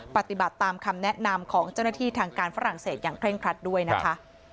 ปฏิบัติตามคำแนะนำของเจ้าหน้าที่ทางการฝรั่งเศสอย่างเร่งครัดด้วยนะคะ